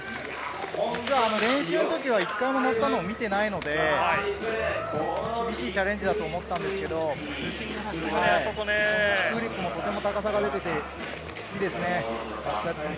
実は練習のときは１回も乗ったのを見ていないので、厳しいチャレンジだと思ったんですけど、キックフリップもとても高さが出ていて、いいですね。